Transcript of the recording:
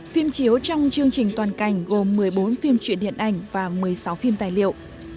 phim chiếu trong chương trình toàn cảnh gồm một mươi bốn phim truyện điện ảnh và một mươi sáu phim tài liệu